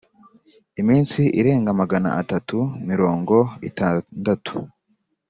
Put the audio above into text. iminsi irenga magana atatu mirongo itandatu